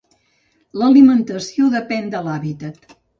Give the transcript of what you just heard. L'alimentació depèn de l'hàbitat.